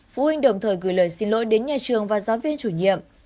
phụ huynh đồng thời gửi lời xin lỗi đến nhà trường và giáo viên chủ nhiệm